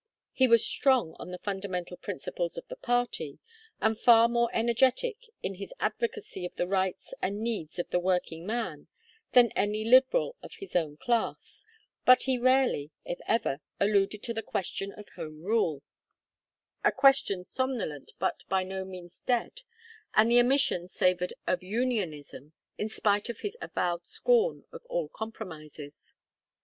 He was strong on the fundamental principles of the party, and far more energetic in his advocacy of the rights and needs of the working man than any Liberal of his own class, but he rarely, if ever, alluded to the question of Home Rule; a question somnolent but by no means dead; and the omission savored of Unionism, in spite of his avowed scorn of all compromises.